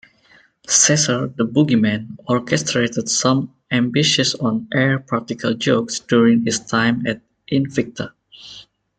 Caesar the Boogieman orchestrated some ambitious on-air practical jokes during his time at Invicta.